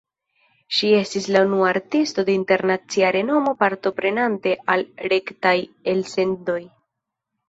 Ŝi estis la unua artisto de internacia renomo partoprenante al rektaj elsendoj.